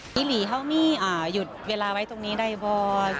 ีหลีเขามีหยุดเวลาไว้ตรงนี้ในบอย